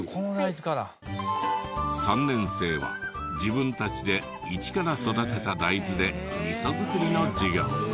３年生は自分たちで一から育てた大豆で味噌作りの授業。